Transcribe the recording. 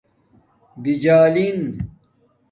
بجالانݣ